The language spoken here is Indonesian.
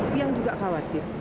tiang juga khawatir